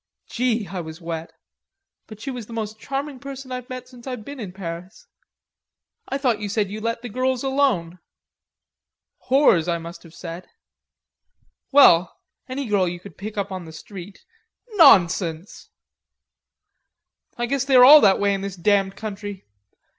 "Gee! I was wet.... But she was the most charming person I've met since I've been in Paris." "I thought you said you let the girls alone." "Whores, I must have said." "Well! Any girl you could pick up on the street...." "Nonsense!" "I guess they are all that way in this damned country....